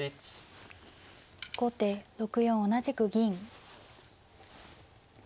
後手６四同じく銀。